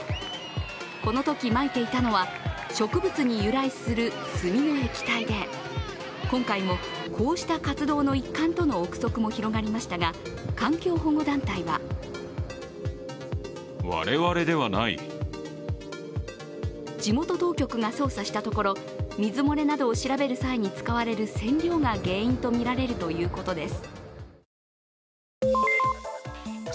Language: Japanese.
このとき、まいていたのは植物に由来する炭の液体で今回もこうした活動の一環との臆測も広がりましたが、環境保護団体は地元当局が捜査したところ水漏れなどを調べる際に使われる染料が原因とみられるということです。